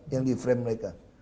yang di frame mereka